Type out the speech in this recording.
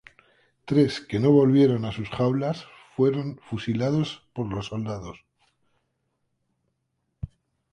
Tres que no volvieron a sus jaulas fueron fusilados por los soldados.